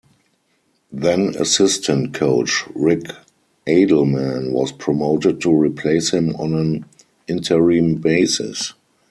Then-assistant coach Rick Adelman was promoted to replace him on an interim basis.